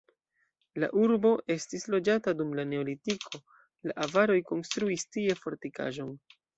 La urbo estis loĝata dum la neolitiko, la avaroj konstruis tie fortikaĵon.